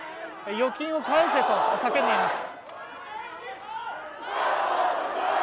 預金を返せと叫んでいます。